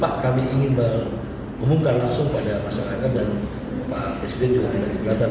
pak kami ingin mengumumkan langsung pada masyarakat dan pak presiden juga tidak keberatan